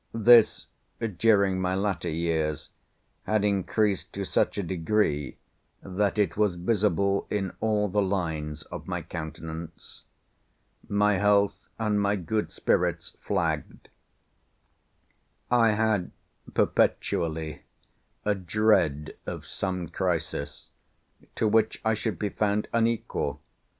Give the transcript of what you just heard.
This, during my latter years, had increased to such a degree, that it was visible in all the lines of my countenance. My health and my good spirits flagged. I had perpetually a dread of some crisis, to which I should be found unequal.